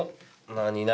何何？